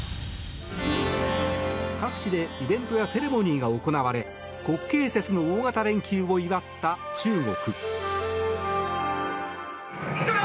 各地でイベントやセレモニーが行われ国慶節の大型連休を祝った中国。